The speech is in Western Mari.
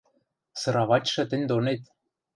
Сыравачшы тӹнь донет...